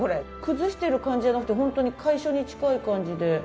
崩してる感じじゃなくてホントに楷書に近い感じで。